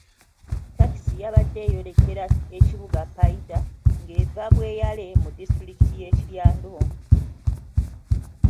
Ttakisi yabadde eyolekera ekibuga ky'e Paidha ng'eva Bweyale mu disitulikiti y'e Kiryandongo.